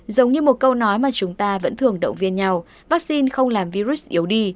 giống như một câu nói mà chúng ta vẫn thường động viên nhau vaccine không làm virus yếu đi